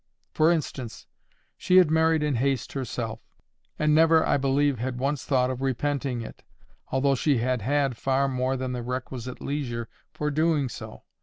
For instance, she had married in haste herself, and never, I believe, had once thought of repenting of it, although she had had far more than the requisite leisure for doing so.